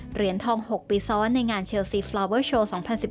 เหรียญทอง๖ปีซ้อนในงานเชลซีฟลอเวอร์โชว์๒๐๑๘